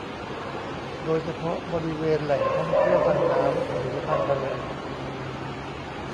โดยเฉพาะบริเวณแหล่งท่องเที่ยวทางน้ำหรือทางทะเล